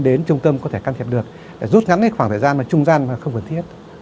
đến trung tâm có thể can thiệp được rút ngắn khoảng thời gian mà trung gian mà không cần thiết